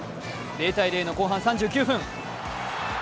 ０−０の後半３９分。